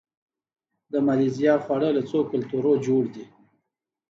د مالیزیا خواړه له څو کلتورونو جوړ دي.